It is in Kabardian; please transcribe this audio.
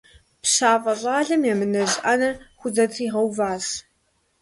ПщафӀэ щӀалэм емынэжь Ӏэнэр хузэтригъэуващ.